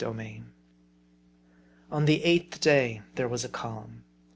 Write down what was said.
THEY ARE ON the eighth day there was a calm.